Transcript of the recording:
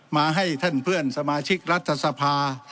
มาให้ท่านเพื่อนสมาชิกรัฐสภา